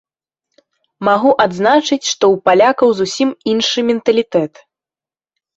Магу адзначыць, што ў палякаў зусім іншы менталітэт.